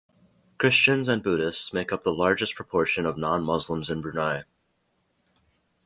Christians and Buddhists make up the largest proportion of non-Muslims in Brunei.